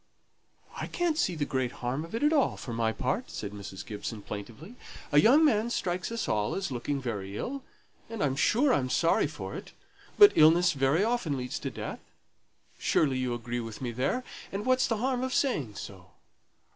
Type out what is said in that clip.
"I can't see the great harm of it all, for my part," said Mrs. Gibson, plaintively. "A young man strikes us all as looking very ill and I'm sure I'm sorry for it; but illness very often leads to death. Surely you agree with me there, and what's the harm of saying so?